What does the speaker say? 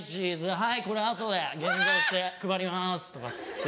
はいこれ後で現像して配ります」とかって。